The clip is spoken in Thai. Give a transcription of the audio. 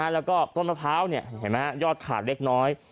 แล้วก็ต้นมะพร้าวยอดขาดเล็กน้อย